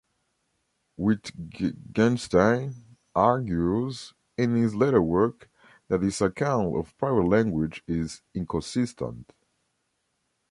Wittgenstein argues, in his later work, that this account of private language is inconsistent.